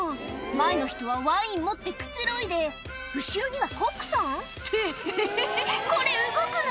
前の人はワイン持ってくつろいで後ろにはコックさん？ってえっこれ動くの？